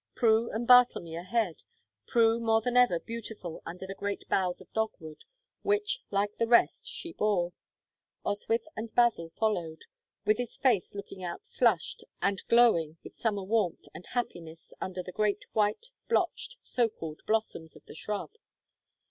Prue and Bartlemy ahead, Prue more than ever beautiful under the great boughs of dogwood, which, like the rest, she bore. Oswyth and Basil followed, Wythie's face looking out flushed and glowing with summer warmth and happiness under the great white, blotched, so called blossoms of the shrub.